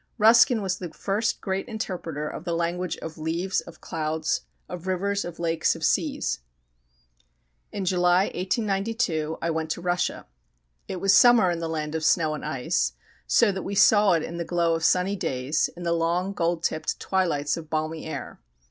Ruskin was the first great interpreter of the language of leaves, of clouds, of rivers, of lakes, of seas. In July, 1892,1 went to Russia. It was summer in the land of snow and ice, so that we saw it in the glow of sunny days, in the long gold tipped twilights of balmy air.